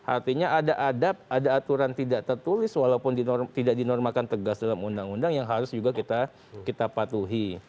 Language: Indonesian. artinya ada adab ada aturan tidak tertulis walaupun tidak dinormakan tegas dalam undang undang yang harus juga kita patuhi